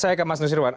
saya ke mas nusirwan